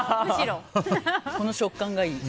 この食感がいい。